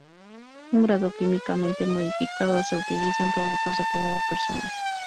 Un grado químicamente modificado se utiliza en productos de cuidado personal.